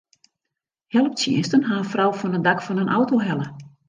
Helptsjinsten ha in frou fan it dak fan in auto helle.